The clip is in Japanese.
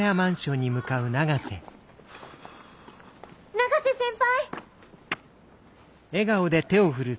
永瀬先輩！